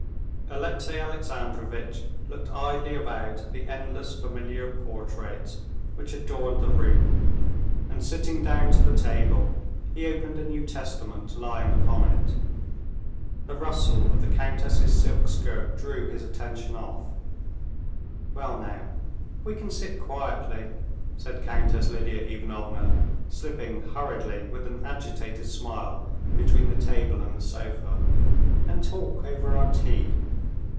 Alexey Alexandrovitch looked idly about at the endless familiar portraits which adorned the room, and sitting down to the table, he opened a New Testament lying upon it. The rustle of the countess's silk skirt drew his attention off. "Well now, we can sit quietly," said Countess Lidia Ivanovna, slipping hurriedly with an agitated smile between the table and the sofa, "and talk over our tea."